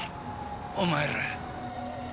お前ら。